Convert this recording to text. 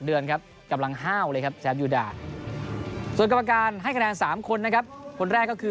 เดือนครับกำลังห้าวเลยครับแชมป์ยูดาส่วนกรรมการให้คะแนน๓คนนะครับคนแรกก็คือ